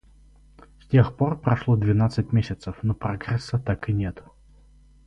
С тех пор прошло двенадцать месяцев, но прогресса так и нет.